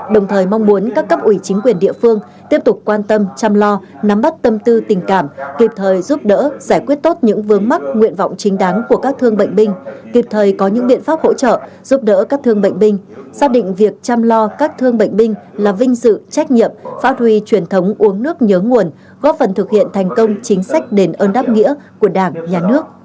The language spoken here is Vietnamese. đồng thời mong muốn các cấp ủy chính quyền địa phương tiếp tục quan tâm chăm lo nắm bắt tâm tư tình cảm kịp thời giúp đỡ giải quyết tốt những vướng mắt nguyện vọng chính đáng của các thương bệnh binh kịp thời có những biện pháp hỗ trợ giúp đỡ các thương bệnh binh xác định việc chăm lo các thương bệnh binh là vinh dự trách nhiệm phát huy truyền thống uống nước nhớ nguồn góp phần thực hiện thành công chính sách đền ơn đáp nghĩa của đảng nhà nước